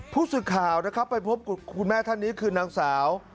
ผู้สื่อข่าวนะครับไปพบคุณแม่ท่านนี้คือนางสาว